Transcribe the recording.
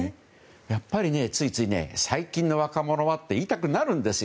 やっぱりねついつい最近の若者はって言いたくなるんですよ。